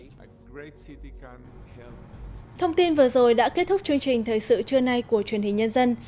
thông tin vừa rồi đã kết thúc chương trình thời sự trưa nay của truyền hình nhân dân